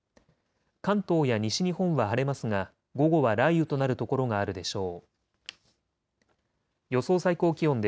関東や西日本は晴れますが午後は雷雨となる所があるでしょう。